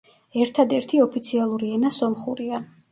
ერთადერთი ოფიციალური ენა სომხურია.